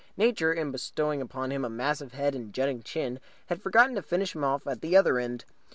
Nature, in bestowing upon him a massive head and a jutting chin, had forgotten to finish him off at the other end.